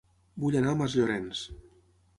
Vull anar a Masllorenç